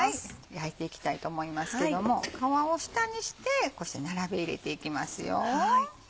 焼いていきたいと思いますけども皮を下にしてこうして並べ入れていきますよ。